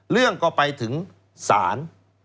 เรื่องก็ไปถึงศาล